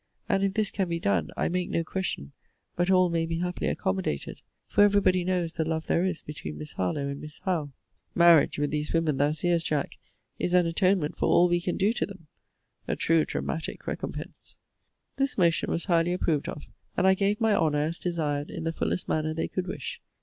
And if this can be done, I make no question but all may be happily accommodated; for every body knows the love there is between Miss Harlowe and Miss Howe. MARRIAGE, with these women, thou seest, Jack, is an atonement for all we can do to them. A true dramatic recompense! This motion was highly approved of; and I gave my honour, as desired, in the fullest manner they could wish.